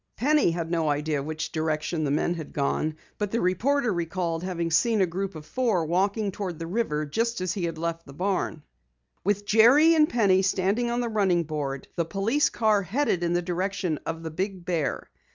Penny had no idea which direction the men had gone, but the reporter recalled having seen a group of four walking toward the river just as he had left the barn. With Jerry and Penny standing on the running board, the police car headed in the direction of the Big Bear.